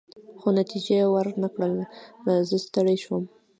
خو نتیجه يې ورنه کړل، زه ستړی شوم.